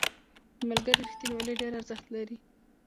• د ملګري رښتینولي ډېر ارزښت لري.